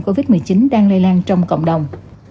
covid một mươi chín đang lây lan trong cộng đồng